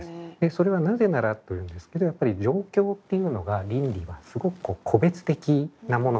それはなぜならというんですけどやっぱり状況っていうのが倫理はすごく個別的なものなんです。